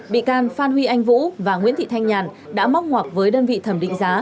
bị can phan huy anh vũ và nguyễn thị thanh nhàn đã móc ngoặc với đơn vị thẩm định giá